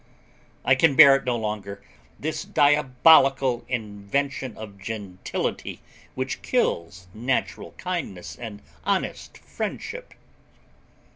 I can bear it no longer this diabolical invention of gentility which kills natural kindliness and honest friendship.